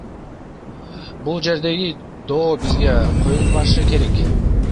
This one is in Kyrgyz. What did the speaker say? Бул жердеги доо бизге коюлбашы керек.